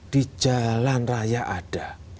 di jalan raya ada